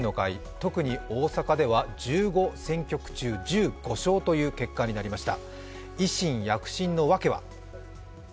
特に大阪では１５選挙区中１５勝という結果になりました。